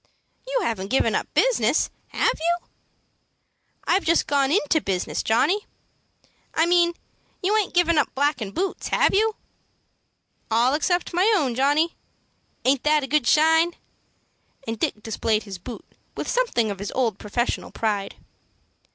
"You haven't give up business, have you?" "I've just gone into business, Johnny." "I mean you aint give up blackin' boots, have you?" "All except my own, Johnny. Aint that a good shine?" and Dick displayed his boot with something of his old professional pride.